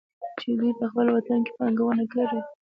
چې دوي په خپل وطن کې پانګونه کړى وى.